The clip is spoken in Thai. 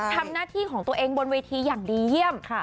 ทำหน้าที่ของตัวเองบนเวทีอย่างดีเยี่ยม